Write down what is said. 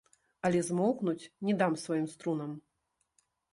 Але змоўкнуць не дам сваім струнам.